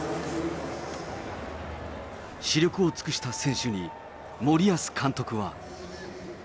死力を尽くした選手に森保監督は。